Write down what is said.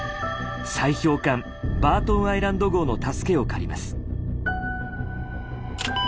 砕氷艦「バートンアイランド号」の助けを借ります。